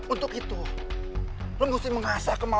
untuk itu lo mesti mengasah kemampuan